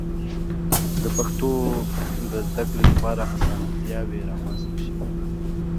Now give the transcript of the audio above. د پښتو د زده کړې لپاره آسانتیاوې رامنځته شي.